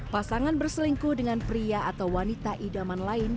pasangan berselingkuh dengan pria atau wanita idaman lain